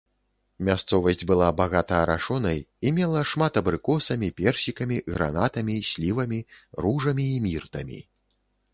Мясцовасць была багата арашонай і мела шмат абрыкосамі, персікамі, гранатамі, слівамі, ружамі і міртамі.